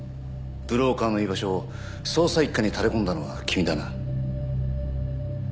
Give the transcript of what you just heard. ブローカーの居場所を捜査一課にたれ込んだのは君だな。